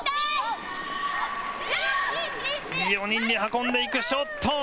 ４人で運んでいくショット。